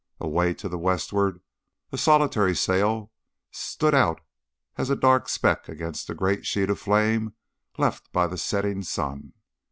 Away to the westward a solitary sail stood out as a dark speck against the great sheet of flame left by the setting sun.